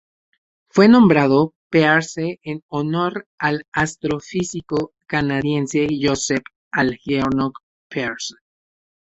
Fue nombrado Pearce en honor al astrofísico canadiense Joseph Algernon Pearce.